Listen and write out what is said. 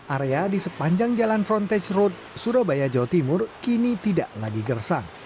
area di sepanjang jalan frontage road surabaya jawa timur kini tidak lagi gersang